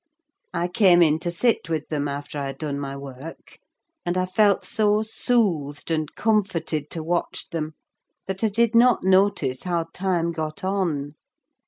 I came in to sit with them, after I had done my work; and I felt so soothed and comforted to watch them, that I did not notice how time got on.